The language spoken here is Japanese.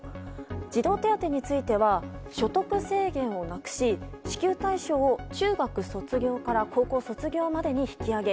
児童手当については所得制限をなくし支給対象を中学卒業から高校卒業までに引き上げ